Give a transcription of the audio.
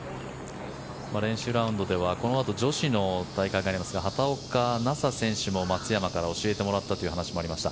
練習ラウンドではこのあと女子の大会がありますが畑岡奈紗選手も松山から教えてもらったという話もありました。